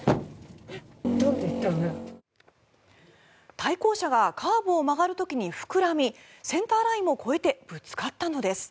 対向車がカーブを曲がる時に膨らみセンターラインを越えてぶつかったのです。